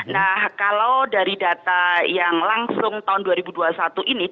nah kalau dari data yang langsung tahun dua ribu dua puluh satu ini